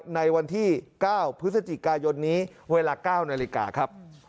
ในวันที่๙พฤศจิกายนนี้เวลา๙นาฬิกาครับ